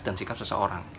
dan sikap seseorang